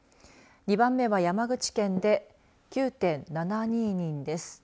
２番目は山口県で９．７２人です。